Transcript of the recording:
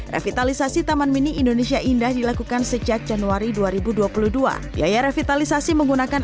revitalisasi taman mini indonesia indah dilakukan sejak januari dua ribu dua puluh dua biaya revitalisasi menggunakan